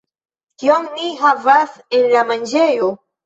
Kion ni havas en la manĝejo